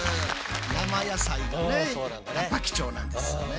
生野菜がね貴重なんですね。